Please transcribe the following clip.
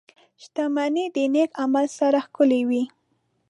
• شتمني د نېک عمل سره ښکلې وي.